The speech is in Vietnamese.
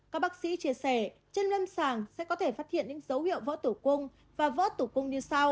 các bác sĩ chia sẻ trên lâm sàng sẽ có thể phát hiện những dấu hiệu vỡ tủ cung và vỡ tủ cung như sau